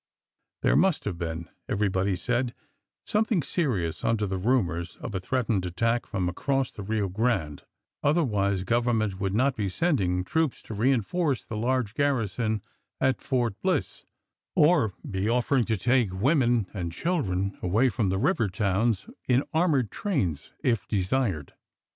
There must have been, everybody said, something serious under the rumours of a threatened attack from across the Rio Grande, otherwise government would not be sending troops to reinforce the large garrison at Fort Bliss, or be offering to take women and children away from the river towns, in armoured trains if desired.